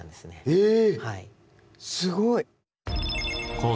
へえ。